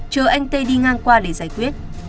chờ anh t đi ngang qua để giải quyết